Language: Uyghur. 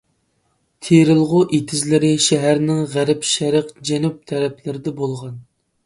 تېرىلغۇ ئېتىزلىرى شەھەرنىڭ غەرب، شەرق، جەنۇب تەرەپلىرىدە بولغان.